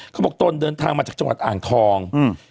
เขาบอกตนเดินทางมาจากจังหวัดอ่างทอง